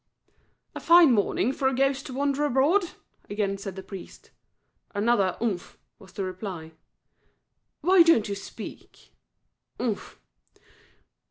"A fine morning for ghosts to wander abroad," again said the priest. Another "Umph" was the reply. "Why don't you speak?" "Umph."